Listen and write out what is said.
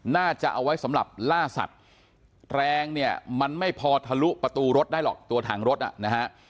น่าจะเอาไว้สำหรับล่าสัตว์แรงเนี่ยมันไม่พอทะลุประตูรถได้หรอกตัวถังรถอ่ะนะฮะ